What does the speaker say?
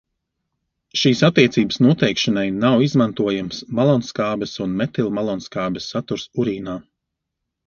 Šīs attiecības noteikšanai nav izmantojams malonskābes un metilmalonskābes saturs urīnā.